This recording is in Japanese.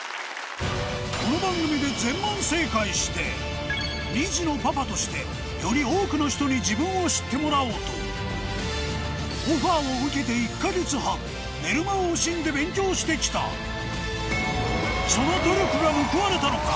この番組で全問正解して２児のパパとしてより多くの人に自分を知ってもらおうとオファーを受けてその努力が報われたのか